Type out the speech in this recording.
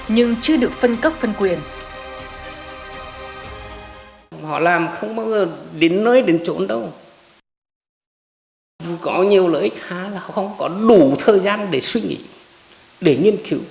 nhưng chưa được phân cấp phân quyền